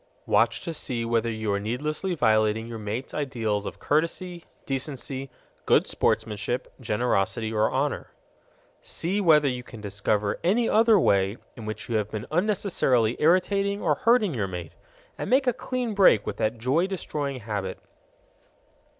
Watch to see whether you are needlessly violating your mate's ideals of courtesy, decency, good sportmanship, generosity, or honor. See whether you can discover any other way in which you have been unnecessarily irritating or hurting your mate, and make a clean break with that joy destroying habit.